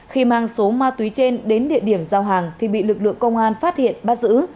khi mang số ma túy trên đến địa điểm giao hàng thì bị lực lượng công an phát hiện bắt giữ